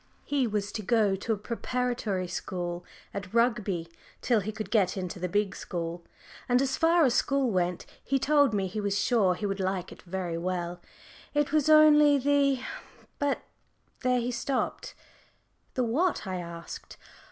He was to go to a preparatory school at Rugby till he could get into the big school. And as far as school went, he told me he was sure he would like it very well, it was only the but there he stopped. "The what?" I asked.